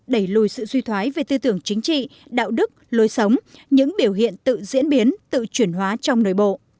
đẩy lùi sự suy thoái về tư tưởng chính trị đạo đức lối sống những biểu hiện tự diễn biến tự chuyển hóa trong nội bộ